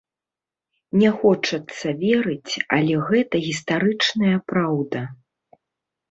Не хочацца верыць, але гэта гістарычная праўда.